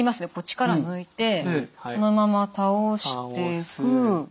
力抜いてそのまま倒していく。